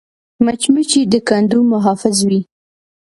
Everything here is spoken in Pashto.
مچمچۍ د کندو محافظ وي